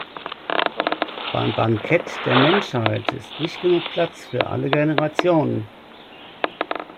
Beim Bankett der Menschheit ist nicht genug Platz für alle Generationen.